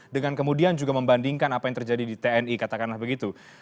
dengan kemudian juga membandingkan apa yang terjadi di tni katakanlah begitu